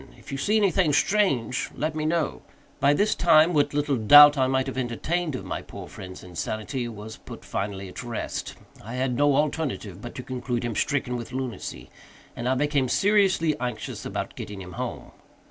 If you see anything strange, let me know." By this time what little doubt I might have entertained of my poor friend's insanity, was put finally at rest. I had no alternative but to conclude him stricken with lunacy, and I became seriously anxious about getting him home.